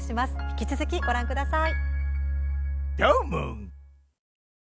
引き続き、ご覧ください。